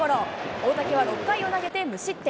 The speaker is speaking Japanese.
大竹は６回を投げて無失点。